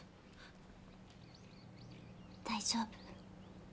大丈夫。